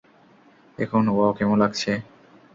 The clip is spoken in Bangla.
দেখুন ওয়াও কেমন লাগছে?